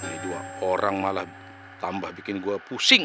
ini dua orang malah tambah bikin gue pusing